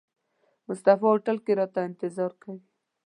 مصطفی هوټل کې راته انتظار کوي.